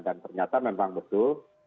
dan ternyata memang betul